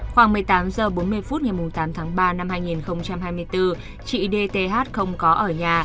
khoảng một mươi tám h bốn mươi phút ngày tám tháng ba năm hai nghìn hai mươi bốn chị dth không có ở nhà